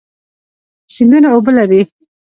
سیندونه اوبه لري.